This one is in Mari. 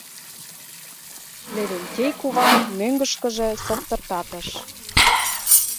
Левентей кува мӧҥгышкыжӧ соптыртатыш.